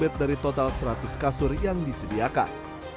mereka juga memiliki level bed dari total seratus kasur yang disediakan